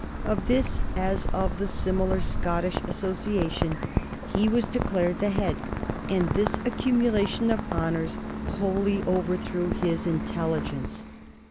Of this, as of the similar Scottish Association, he was declared the head, and this accumulation of honors wholly overthrew his intelligence.